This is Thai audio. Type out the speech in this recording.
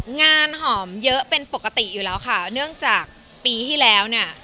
งานหอมเยอะเป็นปกติอยู่แล้วค่ะเนื่องจากปีที่แล้วเนี่ย